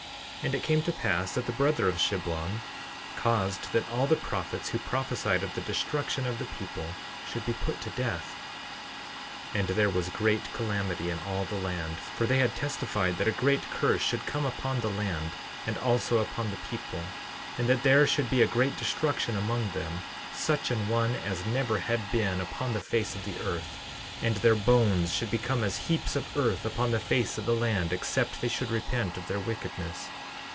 11:5 And it came to pass that the brother of Shiblom caused that all the prophets who prophesied of the destruction of the people should be put to death; 11:6 And there was great calamity in all the land, for they had testified that a great curse should come upon the land, and also upon the people, and that there should be a great destruction among them, such an one as never had been upon the face of the earth, and their bones should become as heaps of earth upon the face of the land except they should repent of their wickedness.